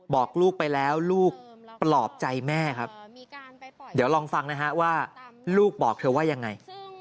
บอกลูกไปแล้วลูกปลอบใจแม่ครับเดี๋ยวลองฟังนะฮะว่าลูกบอกเธอว่ายังไง